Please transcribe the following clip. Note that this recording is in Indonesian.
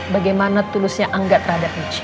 bagaimana tulusnya angga terhadap nich